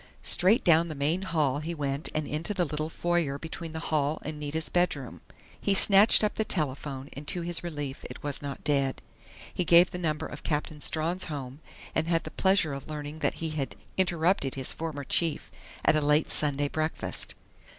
Straight down the main hall he went and into the little foyer between the hall and Nita's bedroom. He snatched up the telephone and to his relief it was not dead. He gave the number of Captain Strawn's home, and had the pleasure of learning that he had interrupted his former chief at a late Sunday breakfast.